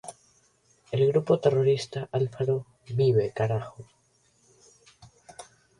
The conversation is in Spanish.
El grupo terrorista Alfaro Vive ¡Carajo!